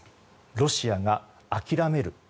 ロシアが諦める。